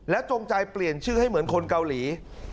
จงใจเปลี่ยนชื่อให้เหมือนคนเกาหลี